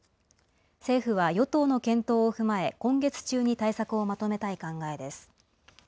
政府は与党の検討を踏まえ、今月中に対策をまとめたい考えです。